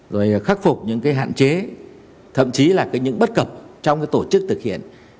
rồi khắc phục những cái hạn chế thậm chí là những bất cập trong tổ chức thực hiện